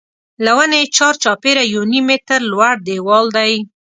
له ونې چار چاپېره یو نیم متر لوړ دیوال دی.